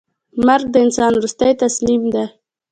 مرګ د انسان وروستۍ تسلیم ده.